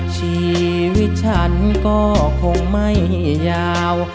ชีวิตฉันก็คงไม่ยาว